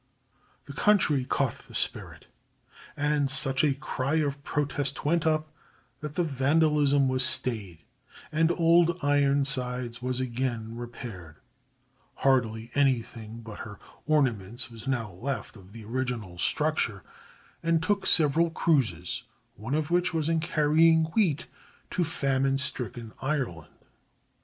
] The country caught the spirit, and such a cry of protest went up that the vandalism was stayed, and Old Ironsides was again repaired—hardly anything but her ornaments was now left of the original structure—and took several cruises, one of which was in carrying wheat to famine stricken Ireland.